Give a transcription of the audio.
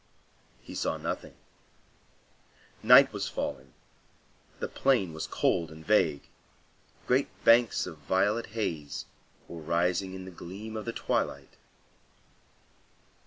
He saw nothing. Night was falling, the plain was cold and vague, great banks of violet haze were rising in the gleam of the twilight.